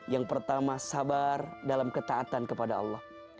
yang pertama sabar dalam ketaatan kepada allah